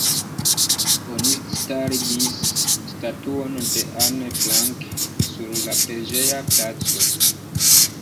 Oni starigis statuon de Anne Frank sur la preĝeja placo.